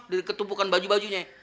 di ketupukan baju bajunya